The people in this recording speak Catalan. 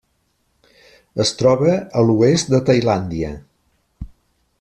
Es troba a l'oest de Tailàndia.